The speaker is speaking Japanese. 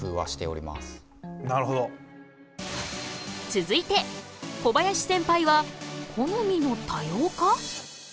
続いて小林センパイは「好みの多様化」？